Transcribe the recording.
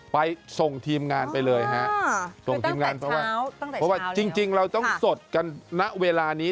ไปส่งทีมงานไปเลยครับเพราะว่าจริงเราต้องสดกันนะเวลานี้